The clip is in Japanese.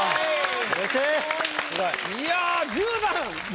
いや１０段！